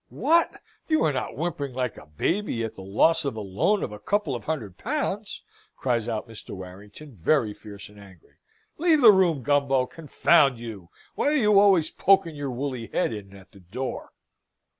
"What! You are not whimpering like a baby at the loss of a loan of a couple of hundred pounds?" cries out Mr. Warrington, very fierce and angry. "Leave the room, Gumbo! Confound you! why are you always poking your woolly head in at that door!"